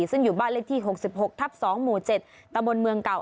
ซึ่งอยู่บ้านเลขที่๖๖ทับ๒หมู่๗ตะบนเมืองเก่า